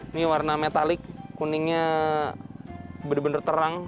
ini warna metalik kuningnya benar benar terang